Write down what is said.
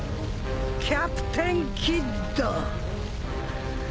キャプテン・キッド。